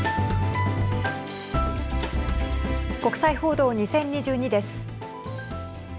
国際報道２０２２です。